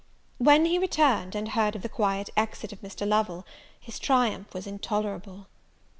When he returned, and heard of the quiet exit of Mr. Lovel, his triumph was intolerable.